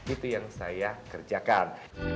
itu yang saya kerjakan